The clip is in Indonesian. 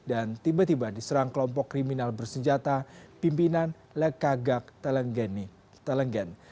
tiba tiba diserang kelompok kriminal bersenjata pimpinan lekagak telenggen